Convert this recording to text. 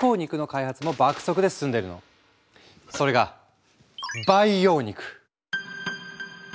それが培養肉！